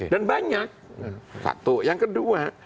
dan banyak satu